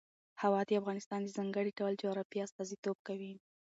هوا د افغانستان د ځانګړي ډول جغرافیه استازیتوب کوي.